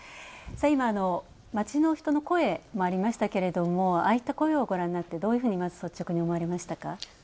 今、街の人の声もありましたけどもああいった声をご覧になって、率直にどういうふうに思われましたか？